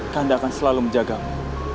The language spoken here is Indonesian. kanda akan selalu menjagamu